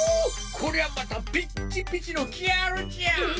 こりゃまたピッチピチのギャルじゃ！